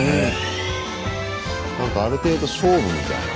何かある程度勝負みたいな。